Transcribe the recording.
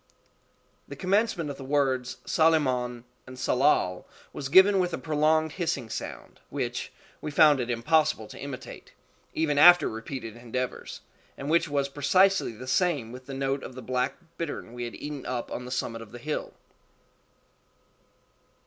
The commencement of the words _Tsalemon_and Tsalal was given with a prolonged hissing sound, which we found it impossible to imitate, even after repeated endeavors, and which was precisely the same with the note of the black bittern we had eaten up on the summit of the hill.